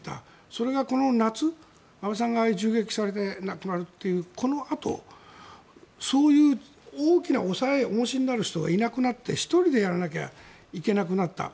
それがこの夏安倍さんが銃撃されて亡くなるというこのあとそういう大きな重しになる人がいなくなって、１人でやらなきゃいけなくなった。